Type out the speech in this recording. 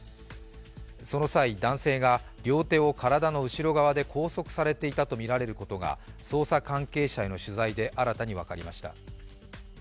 その際、男性が両手を体の後ろ側で拘束されていたとみられることが捜査関係者への取材で新たに分かりました。